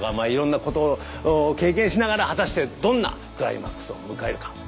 いろんなことを経験しながら果たしてどんなクライマックスを迎えるか。